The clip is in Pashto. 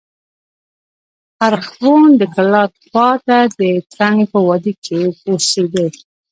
خرښبون د کلات خوا ته د ترنک په وادي کښي اوسېدئ.